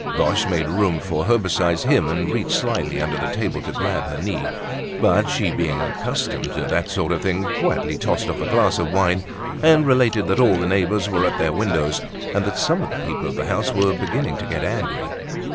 Boche made room for her beside him and reached slyly under the table to grab her knee. But she, being accustomed to that sort of thing, quietly tossed off a glass of wine, and related that all the neighbors were at their windows, and that some of the people of the house were beginning to get angry.